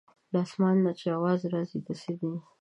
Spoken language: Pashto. له اسمانه چې اواز راځي د څه دی.